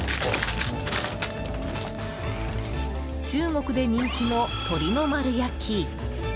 中国で人気の鶏の丸焼き。